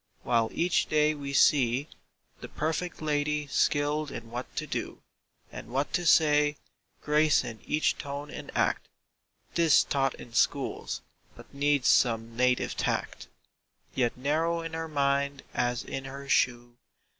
While each day we see The "perfect lady" skilled in what to do And what to say, grace in each tone and act ('Tis taught in schools, but needs some native tact), Yet narrow in her mind as in her shoe.